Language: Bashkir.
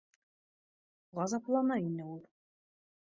Ғазаплана ине ул